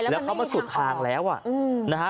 แล้วเขามาสุดทางแล้วนะฮะ